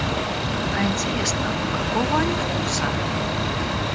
А интересно, какого они вкуса?